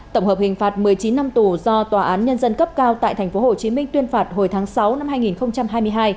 tổng hợp hình phạt một mươi chín năm tù do tòa án nhân dân cấp cao tại tp hcm tuyên phạt hồi tháng sáu năm hai nghìn hai mươi hai